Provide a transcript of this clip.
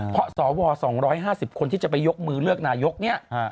เพราะสว๒๕๐คนที่จะไปยกมือเลือกนายกเนี่ย